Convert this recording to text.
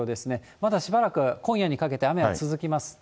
まだしばらく、今夜にかけて雨は続きます。